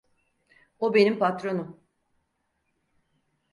O benim patronum.